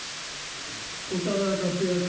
岡田克也君。